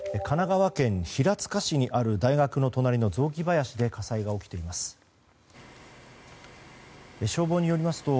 神奈川県平塚市にある大学の隣の雑木林で火災が起きています。